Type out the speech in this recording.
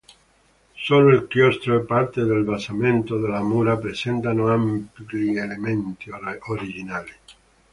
Solo il chiostro e parte del basamento delle mura presentano ampi elementi originali.